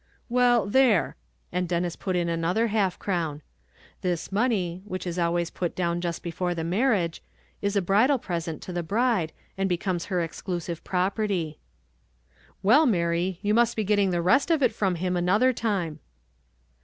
"Well, there;" and Denis put down another half crown. This money, which is always put down just before the marriage, is a bridal present to the bride, and becomes her exclusive property. "Well, Mary, you must be getting the rest of it from him another time."